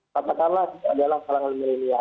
katakanlah adalah kalangan milenial